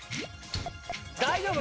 大丈夫？